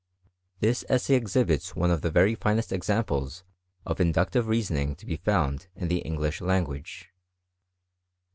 This essay exhibits one of the ¥ery finest examples of inductive reasoning to be fonnd in the English language.